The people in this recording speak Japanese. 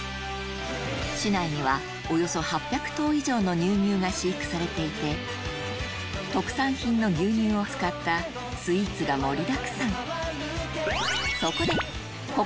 市内にはおよそ８００頭以上の乳牛が飼育されていて特産品の牛乳を使ったスイーツが盛りだくさん